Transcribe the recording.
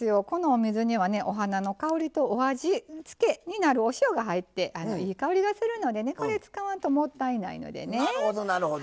このお水にはねお花の香りとお味付けになるお塩が入っていい香りがするのでねこれ使わんともったいないのでね。